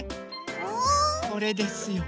これですよ。